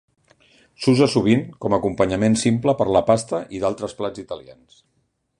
S'usa sovint com a acompanyament simple per a la pasta i d'altres plats italians.